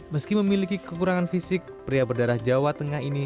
meski memiliki kekurangan fisik pria berdarah jawa tengah ini